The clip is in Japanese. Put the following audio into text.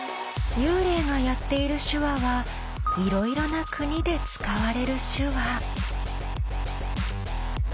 幽霊がやっている手話はいろいろな国で使われる手話。